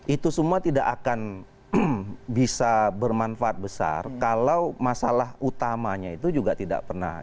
itu semua tidak akan bisa bermanfaat besar kalau masalah utamanya itu juga tidak pernah